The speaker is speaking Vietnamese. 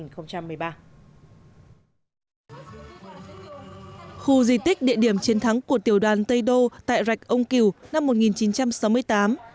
khu di tích địa điểm chiến thắng của tiểu đoàn tây đô tại rạch ông kiều năm một nghìn chín trăm sáu mươi tám